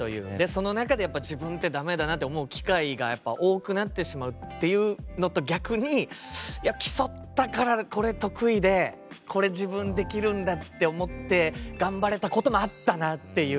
その中で自分ってだめだなって思う機会が多くなってしまうっていうのと逆に競ったから、これ得意でこれ自分できるんだって思って頑張れたこともあったなっていう。